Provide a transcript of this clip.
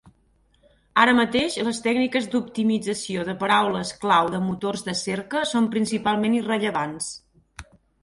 Ara mateix, les tècniques d"optimització de paraules clau de motors de cerca són principalment irrellevants.